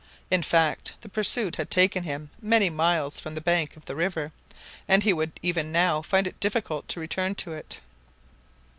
In fact, the pursuit had taken him many miles from the bank of the river, and he would even now find it difficult to return to it.